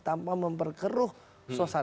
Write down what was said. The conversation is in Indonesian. tanpa memperkeruh suasana